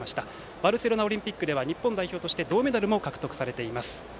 バルセロナオリンピックでは日本代表として銅メダルも獲得されています。